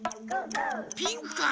ピンクか？